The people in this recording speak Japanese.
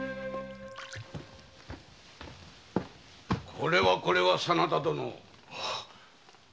これはこれは真田殿。